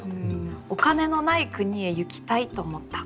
「お金のない国へ行きたいと思った」。